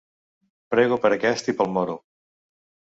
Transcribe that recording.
Prego per aquest i pel moro.